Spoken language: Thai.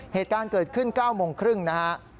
เหตุการณ์เกิดขึ้น๙โมงครึ่งนะฮะ